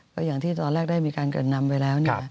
ก็อย่างที่ตอนแรกได้มีการเกิดนำไปแล้ว